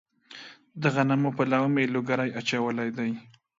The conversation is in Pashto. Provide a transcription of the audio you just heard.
د غنمو په لو مې لوګري اچولي دي.